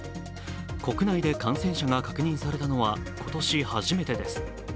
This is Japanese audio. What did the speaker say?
国内で感染者が確認されたのは今年初めてです。